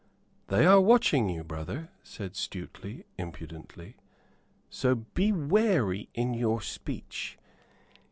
"They are watching you, brother," said Stuteley, impudently, "so be wary in your speech.